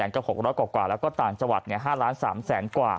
๗๐๐กับ๖๐๐กว่าแล้วก็ต่างจัวรรดิ๕๓๐๐๐๐๐กว่า